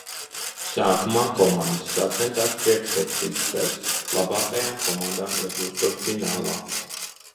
Sākumā komandas sacentās priekšsacīkstēs, labākajām komandām iekļūstot finālā.